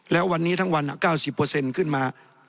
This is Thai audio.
แล้ววันนี้ทั้งวัน๙๐ขึ้นมา